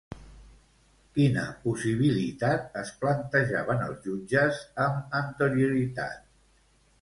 Quina possibilitat es plantejaven els jutges amb anterioritat?